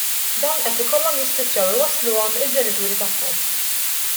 Dawn qed ikollhom jispiċċaw iwassluhom il-ġenituri tagħhom.